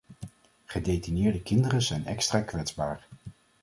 Gedetineerde kinderen zijn extra kwetsbaar.